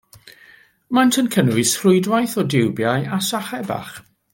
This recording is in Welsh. Maent yn cynnwys rhwydwaith o diwbiau a sachau bach.